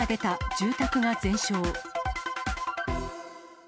住宅が全焼。